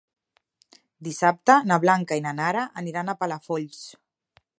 Dissabte na Blanca i na Nara aniran a Palafolls.